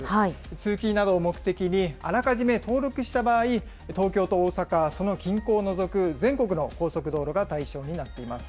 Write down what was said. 通勤などを目的に、あらかじめ登録した場合、東京と大阪、その近郊を除く全国の高速道路が対象になっています。